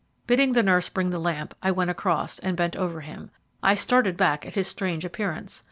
Bidding the nurse bring the lamp, I went across, and bent over him. I started back at his strange appearance.